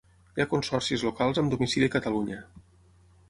Hi ha consorcis locals amb domicili a Catalunya.